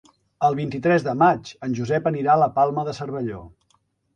El vint-i-tres de maig en Josep anirà a la Palma de Cervelló.